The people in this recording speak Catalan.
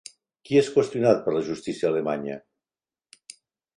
Qui és qüestionat per la justícia alemanya?